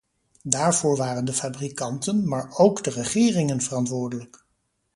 Daarvoor waren de fabrikanten, maar ook de regeringen verantwoordelijk.